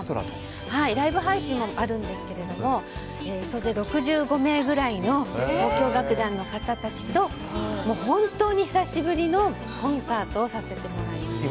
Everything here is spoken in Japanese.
ライブ配信もあるんですけども総勢６５名ぐらいの交響楽団の方たちと本当に久しぶりのコンサートをさせてもらいます。